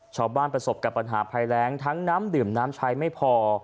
ประสบกับปัญหาภัยแรงทั้งน้ำดื่มน้ำใช้ไม่พอ